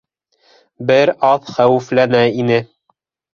Бер аҙ хәүефләнә ине.